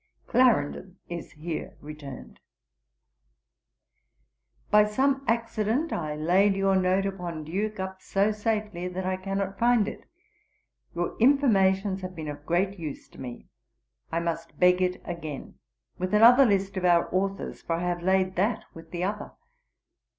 'Clarendon is here returned.' 'By some accident, I laid your note upon Duke up so safely, that I cannot find it. Your informations have been of great use to me. I must beg it again; with another list of our authors, for I have laid that with the other.